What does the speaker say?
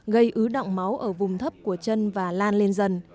gây ứ động máu ở vùng thấp của chân và lan lên dần